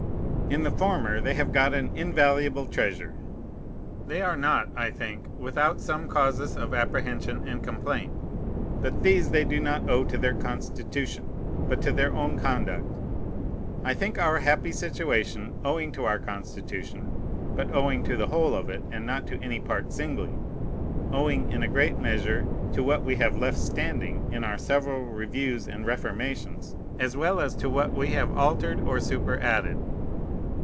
In the former they have got an invaluable treasure. They are not, I think, without some causes of apprehension and complaint; but these they do not owe to their Constitution, but to their own conduct. I think our happy situation owing to our Constitution, but owing to the whole of it, and not to any part singly, owing in a great measure to what we have left standing in our several reviews and reformations, as well as to what we have altered or superadded.